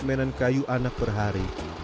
permainan kayu anak per hari